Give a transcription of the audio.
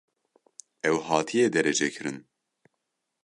Ew hatiye derecekirin?